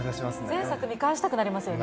全作見返したくなりますよね。